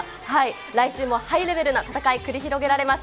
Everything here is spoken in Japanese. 来週もハイレベルな戦い、繰り広げられます。